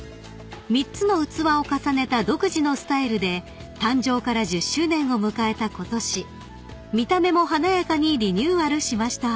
［３つの器を重ねた独自のスタイルで誕生から１０周年を迎えたことし見た目も華やかにリニューアルしました］